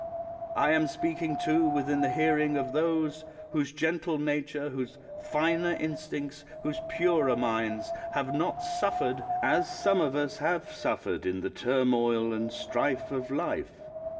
I am speaking, too, within the hearing of those whose gentle nature, whose finer instincts, whose purer minds, have not suffered as some of us have suffered in the turmoil and strife of life.